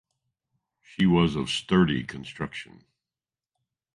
She was of sturdy construction.